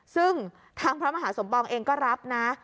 ซึ่งทางพระมหาสมปองเองก็รับนะ